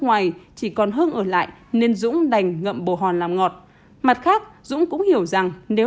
nước ngoài chỉ còn hưng ở lại nên dũng đành ngậm bồ hòn làm ngọt mặt khác dũng cũng hiểu rằng nếu